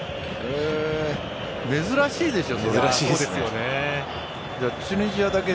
珍しいでしょう。